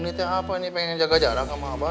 nanti apa nih pengen jaga jarak sama abah